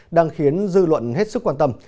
đang khiến dư luận hết sức quan tâm